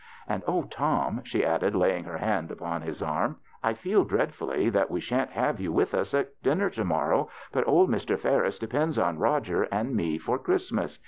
And, oh, Tom," she added, lay ing her hand upon his arm, " I feel dread fully that we shan't have you with us at din ner to morrow, but old Mr. Ferris depends on Roger and me for Christmas.